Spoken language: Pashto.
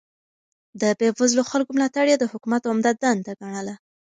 د بې وزلو خلکو ملاتړ يې د حکومت عمده دنده ګڼله.